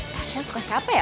tasya suka siapa ya